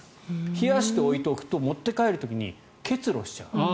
冷やして置いておくと持って帰る時に結露しちゃう。